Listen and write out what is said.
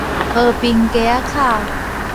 和平街仔口